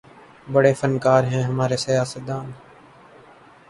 بڑے فنکار ہیں ہمارے سیاستدان